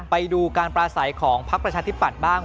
ไปดูการปลาใสของพรรคประชาธิบตรบ้าง